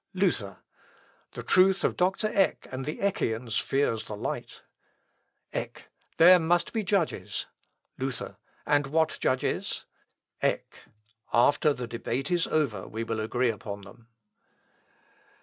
Luther. "The truth of Dr. Eck and the Eckians fears the light." Eck. "There must be judges." Luther. "And what judges?" Eck. "After the debate is over we will agree upon them."